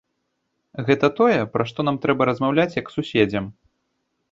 Гэта тое, пра што нам трэба размаўляць як суседзям.